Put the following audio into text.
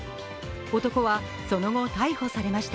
男はその後、逮捕されました。